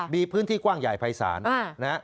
มีพื้นที่กว้างใหญ่ภายศาลนะฮะ